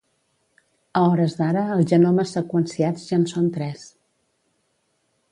A hores d’ara els genomes seqüenciats ja en són tres.